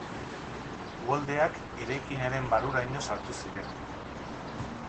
Uholdeak eraikinaren barruraino sartu ziren.